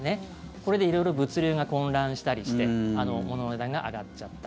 これで色々物流が混乱したりして物の値段が上がっちゃった。